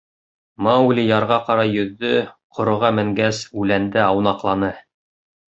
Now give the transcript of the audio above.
Маугли ярға ҡарай йөҙҙө, ҡороға менгәс, үләндә аунаҡланы.